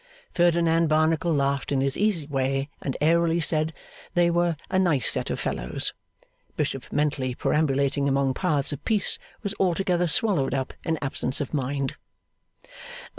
Ferdinand Barnacle laughed in his easy way, and airily said they were a nice set of fellows. Bishop, mentally perambulating among paths of peace, was altogether swallowed up in absence of mind.